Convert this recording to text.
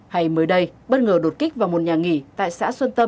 hay mới đây bất ngờ đột kích vào một nhà nghỉ tại xã xuân tâm